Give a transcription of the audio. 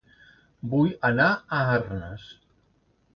Vull anar a Arnes